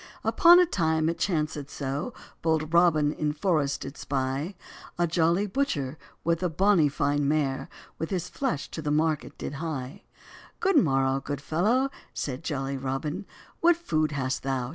Upon a time it chancèd so, Bold Robin in forrest did 'spy A jolly butcher, with a bonny fine mare, With his flesh to the market did hye. "Good morrow, good fellow," said jolly Robin, "What food hast [thou]?